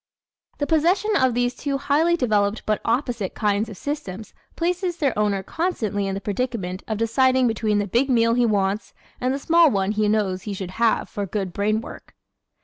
The possession of these two highly developed but opposite kinds of systems places their owner constantly in the predicament of deciding between the big meal he wants and the small one he knows he should have for good brain work.